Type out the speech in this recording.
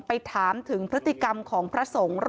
ไปถามถึงพฤติกรรมของพระสงฆ์